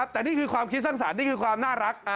แต่นี่คือความคิดสร้างสรรค์นี่คือความน่ารัก